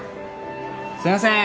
すいませーん。